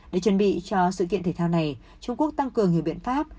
để chuẩn bị cho sự kiện thể thao này trung quốc tăng cường nhiều biện pháp